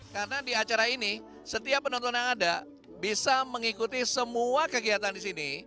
karena di acara ini setiap penonton yang ada bisa mengikuti semua kegiatan di sini